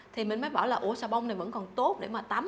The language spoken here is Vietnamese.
thì mình mới bảo là ổ sà bông này vẫn còn tốt để mà tắm